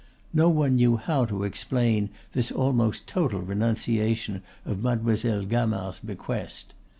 No one knew how to explain this almost total renunciation of Mademoiselle Gamard's bequest.